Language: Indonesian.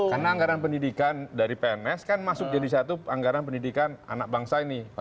karena anggaran pendidikan dari pns kan masuk jadi satu anggaran pendidikan anak bangsa ini